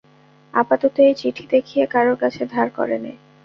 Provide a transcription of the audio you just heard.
আপাতত এই চিঠি দেখিয়ে কারুর কাছে ধার করে নে।